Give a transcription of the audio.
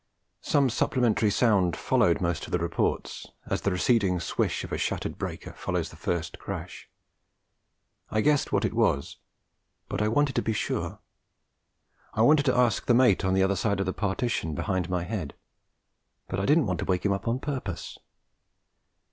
Some supplementary sound followed most of the reports, as the receding swish of a shattered breaker follows the first crash. I guessed what it was, but I wanted to be sure. I wanted to ask the mate, on the other side of the partition behind my head; but I didn't want to wake him up on purpose.